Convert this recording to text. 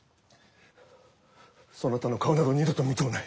そなたの顔など二度と見とうない。